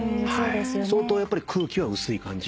相当やっぱり空気は薄い感じ？